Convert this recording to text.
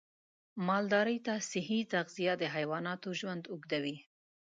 مالدارۍ ته صحي تغذیه د حیواناتو ژوند اوږدوي.